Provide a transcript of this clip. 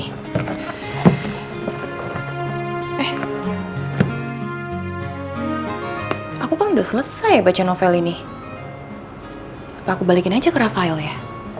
eh aku kan udah selesai baca novel ini aku balikin aja ke rafael ya